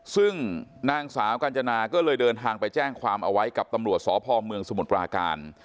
ซึ่งนางสาวกัญจนาก็เลยเดินทางไปแจ้งความเอาไว้กับตำรวจสพเมืองสมุทรปราการ